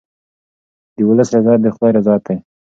د ولس رضایت د خدای رضایت دی.